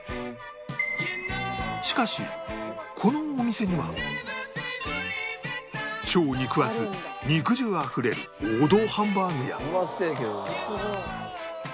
しかし超肉厚肉汁あふれる王道ハンバーグや